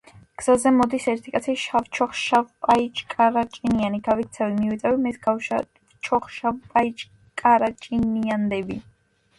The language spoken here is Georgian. გზაზე მოდის ერთი კაცი შავჩოხშავპაიჭკარაჭინიანი გავიქცევი მივეწევი მეც გავშავჩოხშავპაიჭკარაჭინიანდები